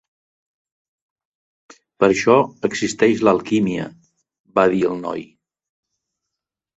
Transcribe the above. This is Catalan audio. "Per això existeix l'alquímia", va dir el noi.